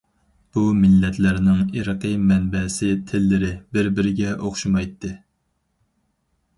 بۇ مىللەتلەرنىڭ ئىرقىي مەنبەسى، تىللىرى بىر-بىرىگە ئوخشىمايتتى.